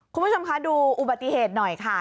คุณผู้ชมคะดูอุบัติเหตุหน่อยค่ะ